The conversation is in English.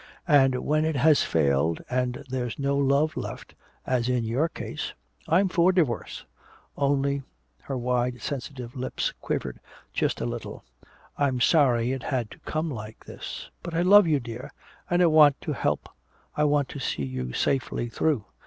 "And when it has failed and there's no love left as in your case I'm for divorce. Only " her wide sensitive lips quivered just a little, "I'm sorry it had to come like this. But I love you, dear, and I want to help, I want to see you safely through.